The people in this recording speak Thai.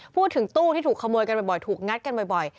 พูดถึงตู้ที่ถูกขโมยกันบ่อยถูกงัดกันบ่อย